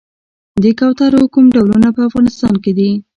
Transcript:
د کوترو کوم ډولونه په افغانستان کې دي؟